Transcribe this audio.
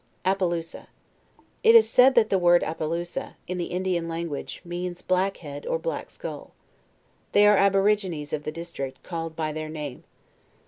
APPALOUSA. It is said the word Appalousa, in the Indi an language, means, Black head, or Black skull. They are aborigines of the district called by their name.